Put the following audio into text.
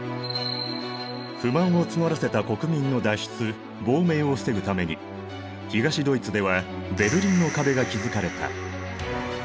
不満を募らせた国民の脱出亡命を防ぐために東ドイツではベルリンの壁が築かれた。